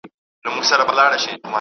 آس په پوره بریالیتوب سره ځان وژغوره.